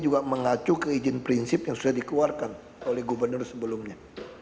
juga mengacu ke izin prinsip yang sudah dikeluarkan oleh gubernur sebelumnya